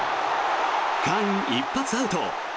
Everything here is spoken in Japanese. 間一髪アウト。